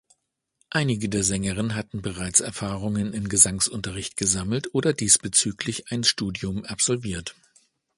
Einige der Sängerinnen hatten bereits Erfahrungen in Gesangsunterricht gesammelt oder diesbezüglich ein Studium absolviert.